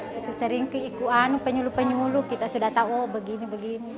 sering keikuan penyuluh penyuluh kita sudah tahu begini begini